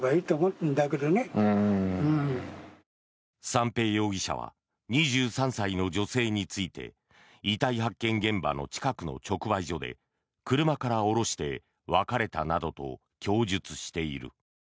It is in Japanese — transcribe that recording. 三瓶容疑者は２３歳の女性について遺体発見現場の近くの直売所で車から降ろして別れたなどと供述している。